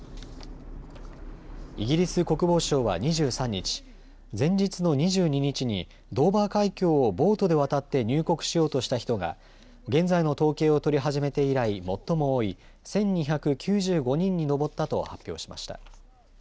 イギリス国防省は２３日、前日の２２日にドーバー海峡をボートで渡って入国しようとした人が現在の統計を取り始めて以来、最も多い１２９５人に上ったと発表しました。